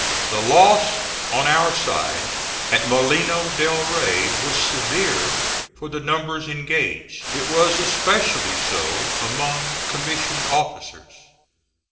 The loss on our side at Molino del Rey was severe for the numbers engaged. It was especially so among commissioned officers.